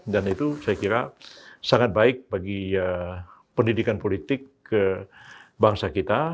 dan itu saya kira sangat baik bagi pendidikan politik ke bangsa kita